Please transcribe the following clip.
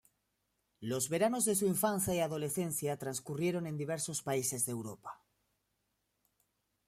Los veranos de su infancia y adolescencia transcurrieron en diversos países de Europa.